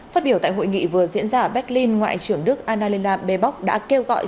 phát biểu tại hội nghị vừa diễn ra ở berlin ngoại trưởng đức anaela bebock đã kêu gọi